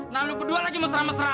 nah lu berdua lagi mesra mesraan